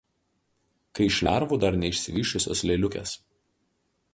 kai iš lervų dar neišsivysčiusios lėliukės